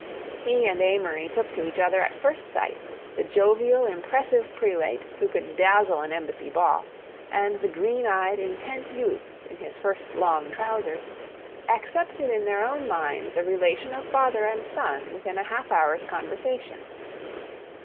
He and Amory took to each other at first sight—the jovial, impressive prelate who could dazzle an embassy ball, and the green eyed, intent youth, in his first long trousers, accepted in their own minds a relation of father and son within a half hour's conversation.